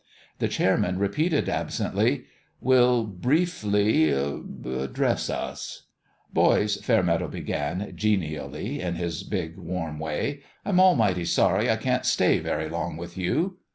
The chairman repeated, absently " Will briefly a dress ss us s." " Boys," Fairmeadow began, genially, in his big, warm way, " I'm almighty sorry I can't stay very long with you."